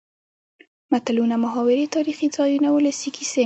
متلونه ،محاورې تاريخي ځايونه ،ولسي کسې.